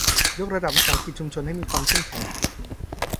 ยกระดับวิสาหกิจชุมชนให้มีความเข้มแข็ง